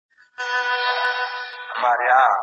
ماشوم په خوب کې د یوې ښې نړۍ لید درلود.